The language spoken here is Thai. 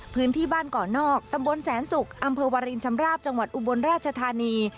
พื้นที่บ้านเกาะนอกตำบลแสนศุกร์อำเภอวารินชำราบจังหวัดอุบลราชธานี